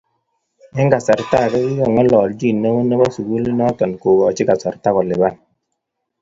Eng kasarta age kokingalalchin neo nebo sukulinoto kokoch kasarta kolipan